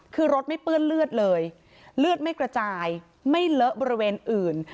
คือรถไม่เปื้อนเลือดเลยเลือดไม่กระจายไม่เลอะบริเวณอื่น